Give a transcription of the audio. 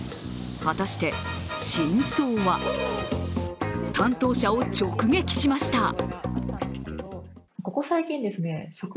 果たして真相は担当者を直撃しました。